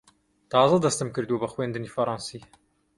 تازە دەستم کردووە بە خوێندنی فەڕەنسی.